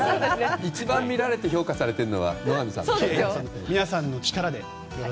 一番見られて評価されているのが野上さんですよ。